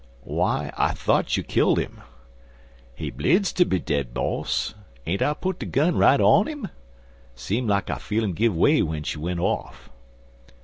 "Why, I thought you killed him?" "He bleedzed ter be dead, boss. Ain't I put de gun right on 'im? Seem like I feel 'im give way w'en she went off."